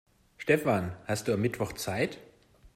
Stefan, hast du am Mittwoch Zeit?